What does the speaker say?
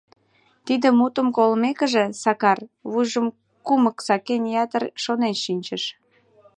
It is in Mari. Тиде мутым колмекыже, Сакар, вуйжым кумык сакен, ятыр шонен шинчыш.